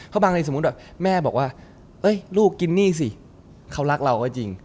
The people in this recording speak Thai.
ค้อบางใดบอกสมมุติแบบแม่บอกว่าเฮ้ยลูกกินนี่สิเขารักเราก็จริง